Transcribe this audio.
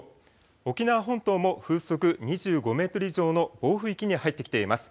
沖縄本島も風速２５メートル以上の暴風域に入ってきています。